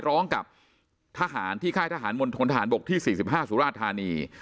ร้องกับทหารที่ค่ายทหารมณฑนทหารบกที่๔๕สุราธานี